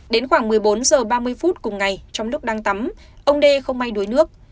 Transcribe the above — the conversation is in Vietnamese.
đến khoảng một mươi bốn h ba mươi phút cùng ngày trong lúc đang tắm ông đê không may đuối nước